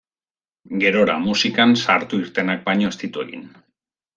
Gerora musikan sartu-irtenak baino ez ditu egin.